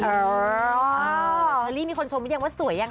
เชอรี่มีคนชมดิฉันว่าสวยอย่างคะ